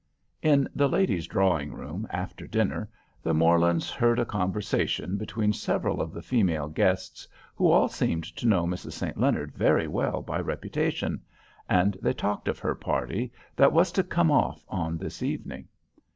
In the ladies' drawing room, after dinner, the Morlands heard a conversation between several of the female guests, who all seemed to know Mrs. St. Leonard very well by reputation, and they talked of her party that was to "come off" on this evening.